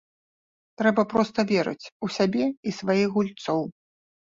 Трэба проста верыць у сябе і сваіх гульцоў.